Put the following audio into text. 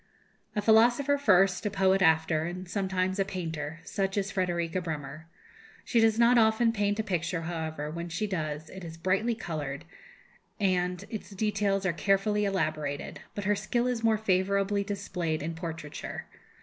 A philosopher first, a poet after, and sometimes a painter, such is Frederika Bremer. She does not often paint a picture, however; when she does, it is brightly coloured, and its details are carefully elaborated; but her skill is more favourably displayed in portraiture.